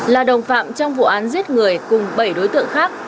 là đồng phạm trong vụ án giết người cùng bảy đối tượng khác